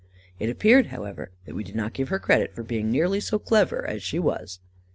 It appeared, however, that we did not give her credit for being nearly so clever as she was.